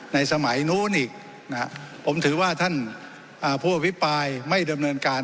สมัยนู้นอีกผมถือว่าท่านผู้อภิปรายไม่ดำเนินการ